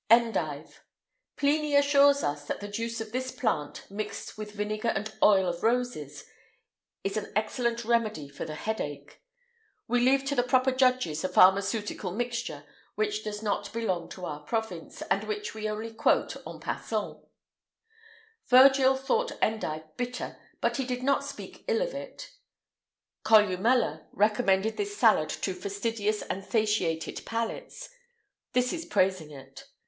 [IX 136] ENDIVE. Pliny assures us that the juice of this plant, mixed with vinegar and oil of roses, is an excellent remedy for the head ache;[IX 137] we leave to the proper judges a pharmaceutical mixture which does not belong to our province, and which we only quote en passant. Virgil thought endive bitter,[IX 138] but he did not speak ill of it. Columella recommended this salad to fastidious and satiated palates;[IX 139] this is praising it.